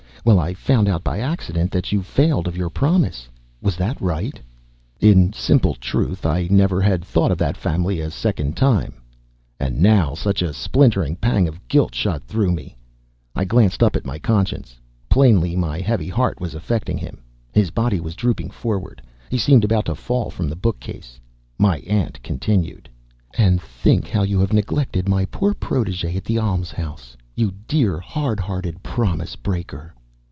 Well, I found out by accident that you failed of your promise. Was that right?" In simple truth, I never had thought of that family a second time! And now such a splintering pang of guilt shot through me! I glanced up at my Conscience. Plainly, my heavy heart was affecting him. His body was drooping forward; he seemed about to fall from the bookcase. My aunt continued: "And think how you have neglected my poor protege at the almshouse, you dear, hard hearted promise breaker!"